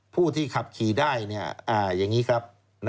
ผู้ที่ขับขี่ได้อย่างนี้ครับ